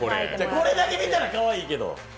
これだけ見たらかわいいけど！